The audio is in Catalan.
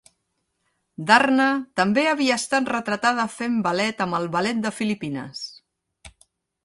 Darna també havia estat retratada fent ballet amb el Ballet de Filipines.